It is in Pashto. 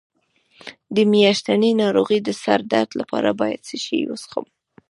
د میاشتنۍ ناروغۍ د سر درد لپاره باید څه شی وڅښم؟